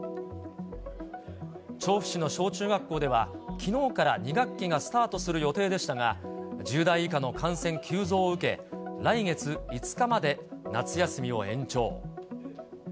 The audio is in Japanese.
調布市の小中学校では、きのうから２学期がスタートする予定でしたが、１０代以下の感染急増を受け、来月５日まで夏休みを延長。